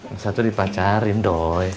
masa tuh dipacarin doy